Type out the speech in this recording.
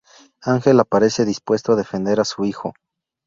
Angel aparece dispuesto a defender a su hijo.